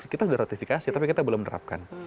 kita sudah ratifikasi tapi kita belum terapkan